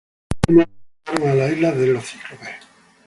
Posteriormente, llegaron a la isla de los cíclopes.